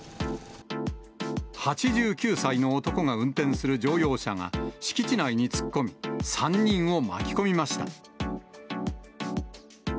８９歳の男が運転する乗用車が敷地内に突っ込み、３人を巻き込みました。